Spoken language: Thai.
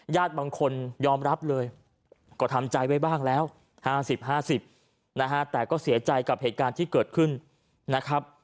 ญาติบางคนยอมรับเลยก็ทำใจไว้บ้างแล้ว๕๐๕๐นะฮะแต่ก็เสียใจกับเหตุการณ์ที่เกิดขึ้นนะครับ